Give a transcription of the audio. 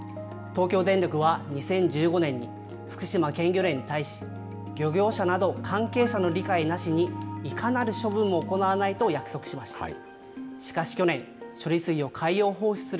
東京電力は、２０１５年に、福島県漁連に対し、漁業者など関係者の理解なしに、いかなる処分も行わないと約束しました。